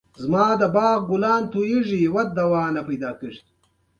ملک اجمل، احمد ماما او نور ګڼ فرعي کرکټرونه لري.